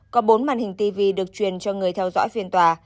có bốn màn hình tv được truyền cho người theo dõi phiên tòa